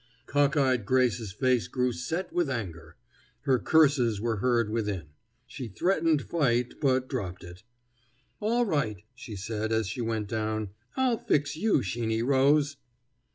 Cock eyed Grace's face grew set with anger. Her curses were heard within. She threatened fight, but dropped it. "All right," she said as she went down. "I'll fix you, Sheeny Rose!"